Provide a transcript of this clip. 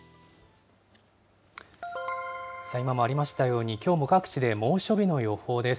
今もありましたように、きょうも各地で猛暑日の予報です。